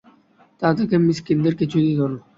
তা থেকে মিসকীনদের কিছুই দিত না।